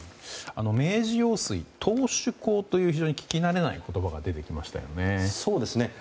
明治用水頭首工という聞き慣れない言葉が出てきましたよね。